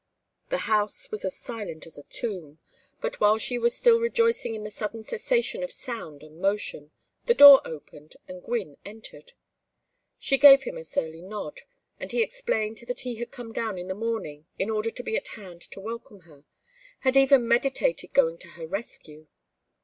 The house was as silent as a tomb; but while she was still rejoicing in the sudden cessation of sound and motion, the door opened and Gwynne entered. She gave him a surly nod, and he explained that he had come down in the morning, in order to be at hand to welcome her; had even meditated going to her rescue.